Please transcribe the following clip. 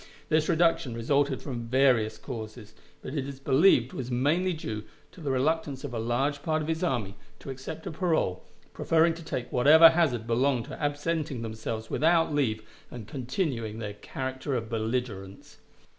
This reduction resulted from various causes, but it is believed was mainly due to the reluctance of a large part of his army to accept a parole, preferring to take whatever hazard belonged to absenting themselves without leave and continuing their character of belligerents.